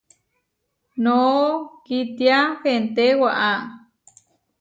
Nooo kitia hente waʼá.